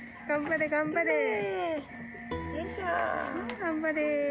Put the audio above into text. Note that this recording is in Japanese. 頑張れ頑張れ。